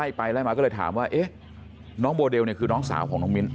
ไล่ไปไล่มาก็เลยถามว่าน้องโบเดลคือน้องสาวของน้องมิ้น